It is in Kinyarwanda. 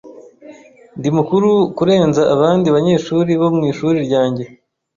Ndi mukuru kurenza abandi banyeshuri bo mu ishuri ryanjye.